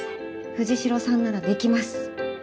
藤代さんならできます。